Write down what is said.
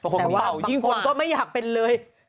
แต่เบายิ่งคนก็ไม่อยากเป็นเลย